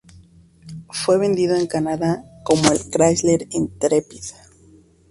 Fue vendido en Canadá como el Chrysler Intrepid.